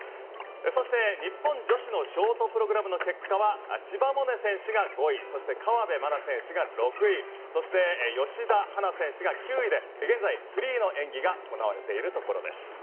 そして日本女子のショートプログラムの結果は千葉百音選手が５位そして河辺愛菜選手が６位そして吉田陽菜選手が９位で現在フリーの演技が行われているところです。